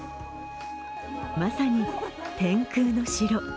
まさに天空の城。